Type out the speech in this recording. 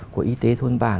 của y tế thôn bản